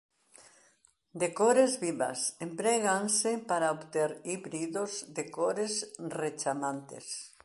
De cores vivas empréganse para obter híbridos de cores rechamantes.